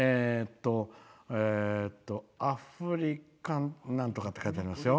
アフリカンなんとかって書いてありますよ。